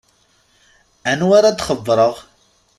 Anwa ara d-xebbṛeɣ?